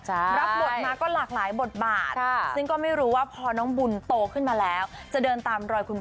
รับบทมาก็หลากหลายบทบาทซึ่งก็ไม่รู้ว่าพอน้องบุญโตขึ้นมาแล้วจะเดินตามรอยคุณพ่อ